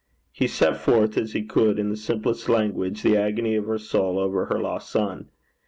He set forth, as he could, in the simplest language, the agony of her soul over her lost son.